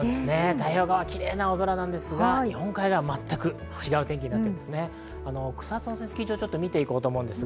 太平洋側、キレイな青空なんですが、日本海側、全く違う天気なんです。